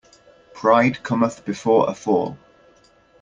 Pride cometh before a fall.